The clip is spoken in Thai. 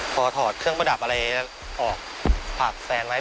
พอถอดเครื่องประดับอะไรออกฝากแฟนไว้